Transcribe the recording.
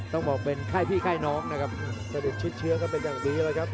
ต้องเป็นค่ายพี่ค่ายน้องนะครับ